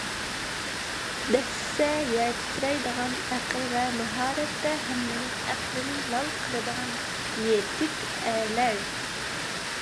دەسسىسە يەر تىترەيدىغان، ئەقىل ۋە ماھارەتتە ھەممىنىڭ ئەقلىنى لال قىلىدىغان يېتۈك ئەرلەر